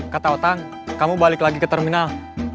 kata otang kamu balik lagi ke terminal